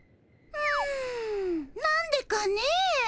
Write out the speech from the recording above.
んなんでかねえ。